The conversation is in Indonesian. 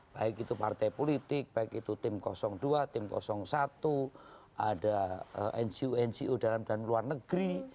baik itu partai politik baik itu tim dua tim satu ada ngo ngo dalam dan luar negeri